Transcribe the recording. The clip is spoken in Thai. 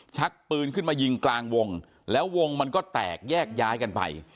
ชักปืนขึ้นมายิงกลางวงแล้ววงมันก็แตกแยกย้ายกันไป